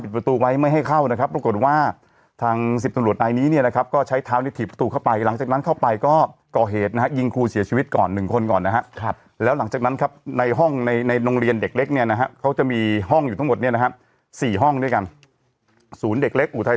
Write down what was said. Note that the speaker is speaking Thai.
ประตูไว้ไม่ให้เข้านะครับปรากฏว่าทางสิบตำรวจนายนี้เนี่ยนะครับก็ใช้เท้าในถีบประตูเข้าไปหลังจากนั้นเข้าไปก็ก่อเหตุนะฮะยิงครูเสียชีวิตก่อนหนึ่งคนก่อนนะฮะครับแล้วหลังจากนั้นครับในห้องในในโรงเรียนเด็กเล็กเนี่ยนะฮะเขาจะมีห้องอยู่ทั้งหมดเนี่ยนะฮะ๔ห้องด้วยกันศูนย์เด็กเล็กอุทัย